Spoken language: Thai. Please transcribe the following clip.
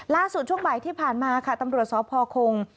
ช่วงบ่ายที่ผ่านมาค่ะตำรวจสพคง